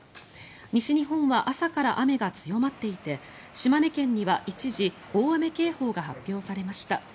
西日本は朝から雨が強まっていて島根県には一時大雨警報が発表されました。